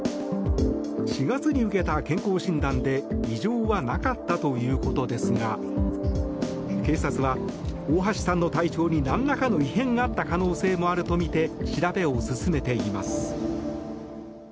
４月に受けた健康診断で異常はなかったということですが警察は大橋さんの体調になんらかの異変があった可能性もあるとみて調べを進めています。